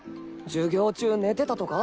授業中寝てたとか？